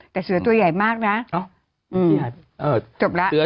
แต่เสือตัวใหญ่มากนะจบแล้ว